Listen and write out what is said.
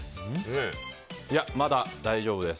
まだ大丈夫です。